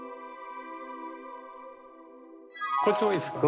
こっちもいいですか？